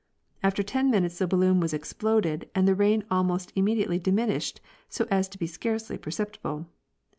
After ten minutes the balloon was exploded, and the rain almost imme diately diminished so as to be scarcely perceptible.